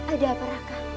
ada apa raka